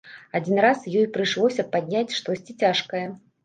Адзін раз ёй прыйшлося падняць штосьці цяжкае.